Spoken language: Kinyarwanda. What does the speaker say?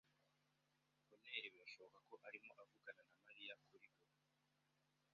Bonheur birashoboka ko arimo avugana na Mariya kuri ubu.